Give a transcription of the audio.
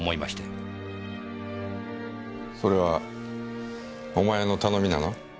それはお前の頼みなの？